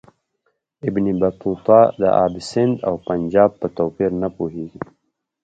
ابن بطوطه د آب سند او پنجاب په توپیر نه پوهیږي.